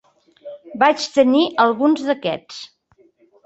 Vaig tenir alguns d'aquests.